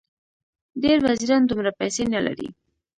ډېر وزیران دومره پیسې نه لري.